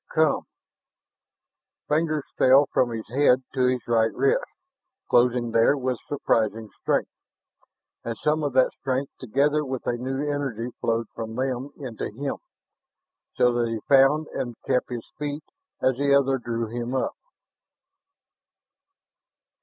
"Come!" Fingers fell from his head to his right wrist, closing there with surprising strength; and some of that strength together with a new energy flowed from them into him, so that he found and kept his feet as the other drew him up.